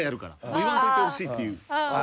言わんといてほしいっていう。